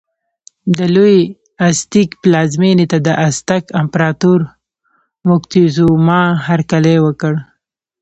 د لوی ازتېک پلازمېنې ته د ازتک امپراتور موکتیزوما هرکلی وکړ.